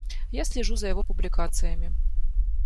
Я слежу за его публикациями.